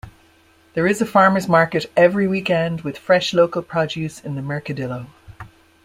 There is a farmers market every weekend with fresh local produce in the Mercadillo.